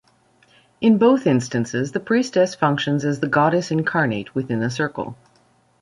In both instances, the priestess functions as the Goddess incarnate, within the circle.